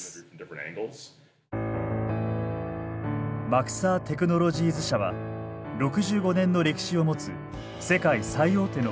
マクサー・テクノロジーズ社は６５年の歴史を持つ世界最大手の宇宙開発企業です。